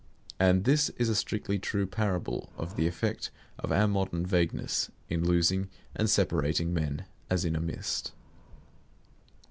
And this is a strictly true parable of the effect of our modern vagueness in losing and separating men as in a mist.